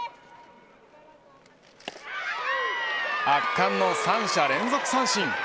圧巻の三者連続三振。